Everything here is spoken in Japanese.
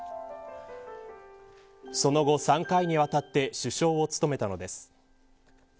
その後、３回にわたって首相を務めたのです。